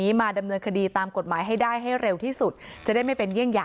งี้มาดำเนินคดีตามกฎหมายให้ได้